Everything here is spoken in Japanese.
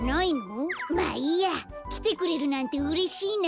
まあいいやきてくれるなんてうれしいな。